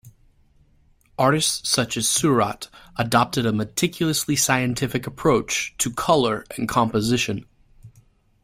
Artists such as Seurat adopted a meticulously scientific approach to colour and composition.